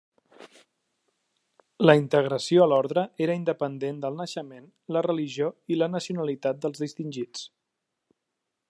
La integració a l'ordre era independent del naixement, la religió i la nacionalitat dels distingits.